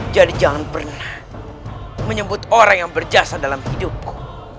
jadi jangan pernah menyebut orang yang berjasa dalam hidupku